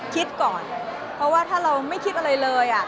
คิดก่อนเพราะว่าถ้าเราไม่คิดอะไรเลย